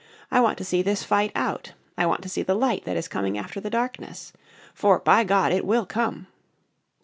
I want to see this fight out. I want to see the Light that is coming after the Darkness. For, by God! it will come.